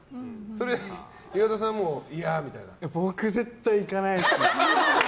それ、岩田さんは僕、絶対行かないです。